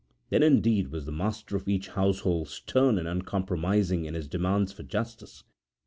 Then, indeed, was the master of each household stern and uncompromising in his demands for justice.